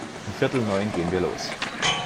Um viertel neun gehn wir los.